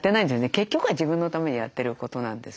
結局は自分のためにやってることなんですけどね。